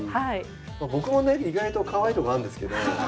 僕もね意外とかわいいところあるんですけど。